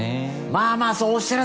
まあまあそうおっしゃらずに。